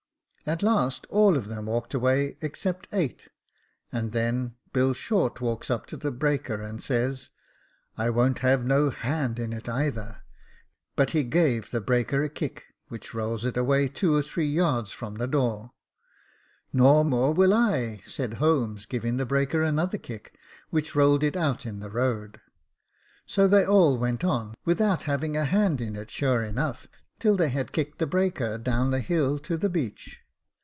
At last all of them walked away except eight, and then Bill Short walks up to the breaker and says, " *I won't have no hand in it either;' but he gave the breaker a kick, which rolls it away two or three yards from the door. "* Nor more will I,* said Holmes, giving the breaker another kick, which rolled it out in the road. So they i82 Jacob Faithful all went on, without having a hand in it, sure enough, till they had kicked the breaker down the hill to the beach.